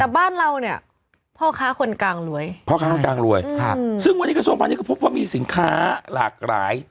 แต่บ้านเราเนี่ยพ่อค้าคนกลางรวยพ่อค้าคนกลางรวยครับซึ่งวันนี้กระทรวงพาณิชก็พบว่ามีสินค้าหลากหลาย